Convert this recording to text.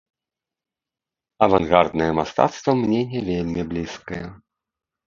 Авангарднае мастацтва мне не вельмі блізкае.